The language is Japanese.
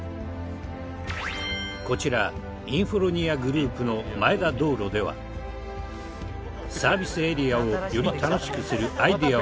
こちらインフロニアグループの前田道路ではサービスエリアをより楽しくするアイデアを出し合っていた。